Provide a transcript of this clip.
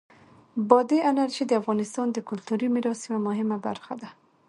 بادي انرژي د افغانستان د کلتوری میراث یوه مهمه برخه ده.